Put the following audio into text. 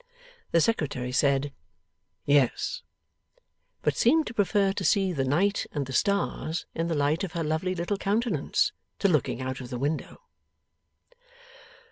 the Secretary said 'Yes,' but seemed to prefer to see the night and the stars in the light of her lovely little countenance, to looking out of window.